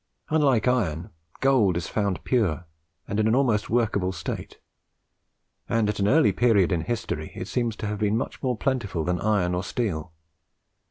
Unlike iron, gold is found pure, and in an almost workable state; and at an early period in history, it seems to have been much more plentiful than iron or steel.